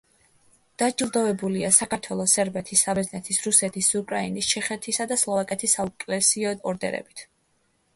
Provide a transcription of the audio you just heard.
დაჯილდოებულია: საქართველოს, სერბეთის, საბერძნეთის, რუსეთის, უკრაინის, ჩეხეთისა და სლოვაკეთის საეკლესიო ორდენებით.